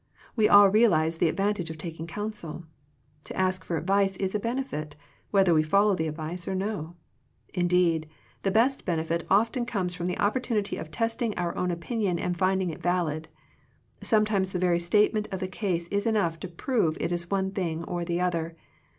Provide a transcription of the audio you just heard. We all realize the ad vantage of taking counsel. To ask for advice is a benefit, whether we follow the advice or no. Indeed, the best bene fit often comes from the opportunity of testing our own opinion and finding it valid. Sometimes the very statement of the case is enough to prove it one thing or the other.